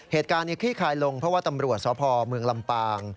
เหตุการณ์นี้ขี้ขายลงเพราะว่าตำรวจสภเมืองลำปาง